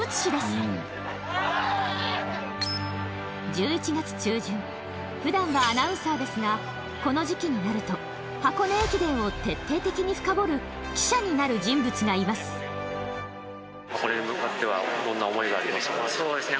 毎年普段はアナウンサーですがこの時期になると箱根駅伝を徹底的にフカボる記者になる人物がいますそうですね